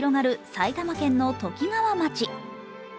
埼玉県のときがわ町。